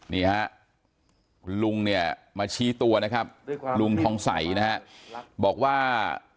นี่ฮะคุณลุงเนี่ยมาชี้ตัวนะครับลุงทองใสนะฮะบอกว่า